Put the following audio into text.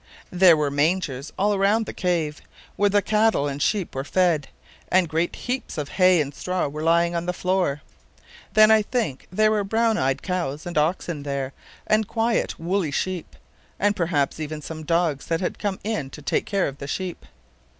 There were mangers all around the cave, where the cattle and sheep were fed, and great heaps of hay and straw were lying on the floor. Then, I think, there were brown eyed cows and oxen there, and quiet, woolly sheep, and perhaps even some dogs that had come in to take care of the sheep.